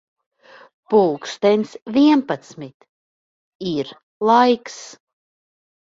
Pulkstens vienpadsmit. Ir laiks.